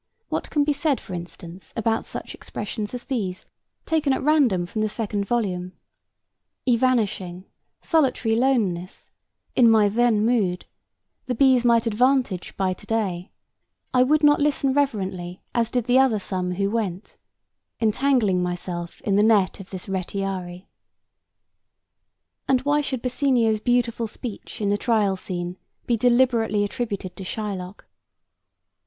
What can be said, for instance, about such expressions as these, taken at random from the second volume, 'evanishing,' 'solitary loneness,' 'in my then mood,' 'the bees might advantage by to day,' 'I would not listen reverently as did the other some who went,' 'entangling myself in the net of this retiari,' and why should Bassanio's beautiful speech in the trial scene be deliberately attributed to Shylock?